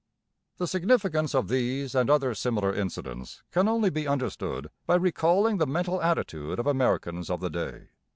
The significance of these and other similar incidents can only be understood by recalling the mental attitude of Americans of the day.